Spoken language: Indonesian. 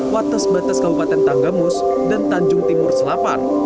watas batas kabupaten tanggamus dan tanjung timur selapan